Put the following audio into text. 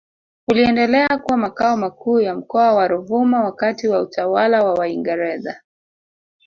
uliendelea kuwa Makao makuu ya Mkoa wa Ruvuma wakati wa utawala wa Waingereza